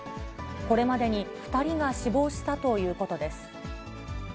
これまでに２人が死亡したということです。